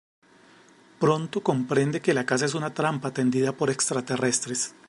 Pronto comprende que la casa es una trampa tendida por extraterrestres.